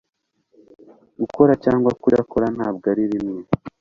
gukora cyangwa kudakora ntabwo ari bimwe